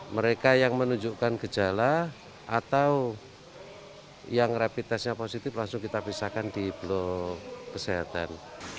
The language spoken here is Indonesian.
mereka yang menunjukkan gejala atau yang rapid testnya positif langsung kita pisahkan di blok kesehatan